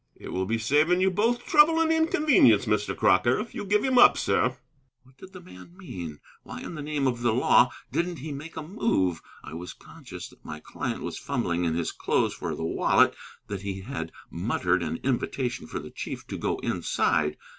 "It will be saving you both trouble and inconvenience, Mr. Crocker, if you give him up, sir." What did the man mean? Why in the name of the law didn't he make a move? I was conscious that my client was fumbling in his clothes for the wallet; that he had muttered an invitation for the chief to go inside.